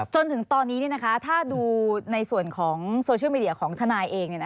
จนถึงตอนนี้ถ้าดูในส่วนของโซเชียลมีเดียของทนายเอง